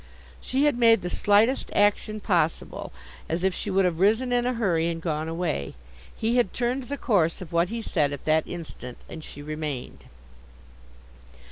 She had made the slightest action possible, as if she would have risen in a hurry and gone away. He had turned the course of what he said at that instant, and she remained.